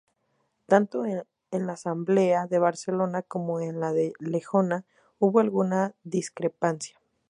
Tanto en la asamblea de Barcelona como en la de Lejona hubo alguna discrepancia.